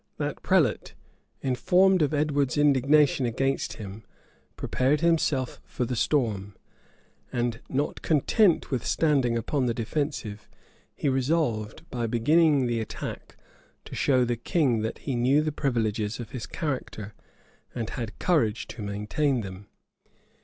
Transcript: That prelate, informed of Edward's indignation against him prepared himself for the storm; and not content with standing upon the defensive, he resolved, by beginning the attack, to show the king that he knew the privileges of his character, and had courage to maintain them.